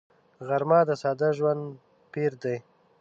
غرمه د ساده ژوندي پېر دی